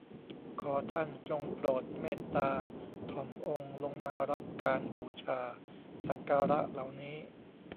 ขอท่านจงโปรดเมตตาถ่อมองค์ลงมารับการบูชาสักการะเหล่านี้